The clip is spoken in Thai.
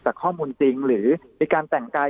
ข้อมูลจริงหรือมีการแต่งกาย